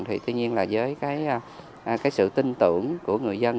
thì tuy nhiên là với cái sự tin tưởng của người dân